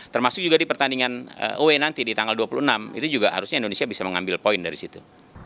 termasuk juga di pertandingan oe nanti di tanggal dua puluh enam itu juga harusnya indonesia bisa mengambil poin dari situ